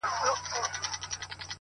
ستا وینا راته پیدا کړه دا پوښتنه؛